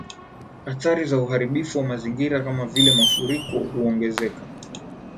Athari za Uharibifu wa Mazingira Kama Vile mafuriko huongezeka